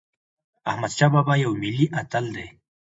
احمدشاه بابا یو ملي اتل دی.